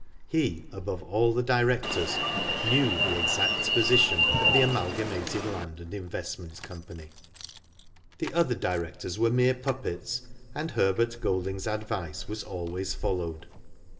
He, above all the directors, knew the exact position of the Amalgamated Land and Invest ment Company. The other directors were mere puppets, and Herbert Golding's advice was always followed.